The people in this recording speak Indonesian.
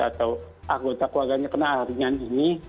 atau anggota keluarganya kena ringan ini